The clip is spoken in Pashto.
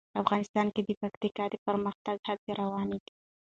افغانستان کې د پکتیکا د پرمختګ هڅې روانې دي.